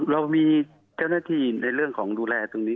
เรามีเจ้าหน้าที่ในเรื่องของดูแลตรงนี้